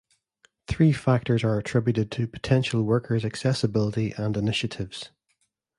Three factors are attributed to potential workers accessibility and initiatives.